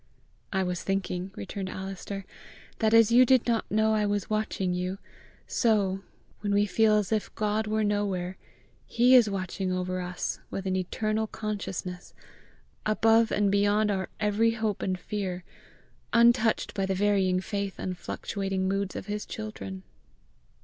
"I was thinking," returned Alister, "that as you did not know I was watching you, so, when we feel as if God were nowhere, he is watching over us with an eternal consciousness, above and beyond our every hope and fear, untouched by the varying faith and fluctuating moods of his children."